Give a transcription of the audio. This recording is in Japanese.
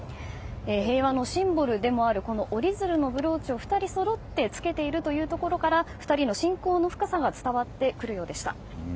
平和のシンボルでもある折り鶴のブローチを２人そろって着けているというところから２人の親交の深さが伝わってくるようでした。